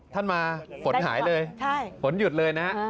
ท่านมาฝนหายเลยฝนหยุดเลยนะฮะ